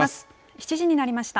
７時になりました。